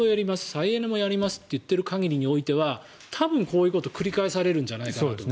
再エネもやりますと言っている限りにおいては多分、こういうことが繰り返されるんじゃないかなと。